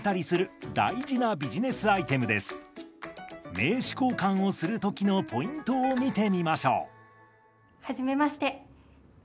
名刺交換をする時のポイントを見てみましょう。